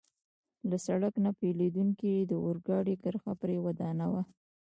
له سړک نه بېلېدونکې د اورګاډي کرښه پرې ودانوه.